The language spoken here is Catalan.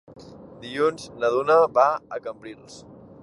Dilluns na Duna va a Cambrils.